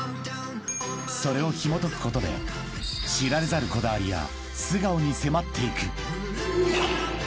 ［それをひもとくことで知られざるこだわりや素顔に迫っていく］